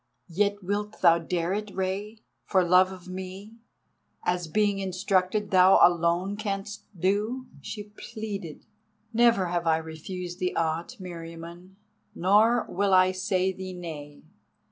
"Yet wilt thou dare it, Rei, for love of me, as being instructed thou alone canst do," she pleaded. "Never have I refused thee aught, Meriamun, nor will I say thee nay.